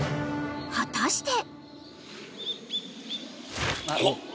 ［果たして］